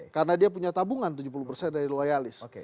karena dia punya tabungan tujuh puluh persen dari loyalis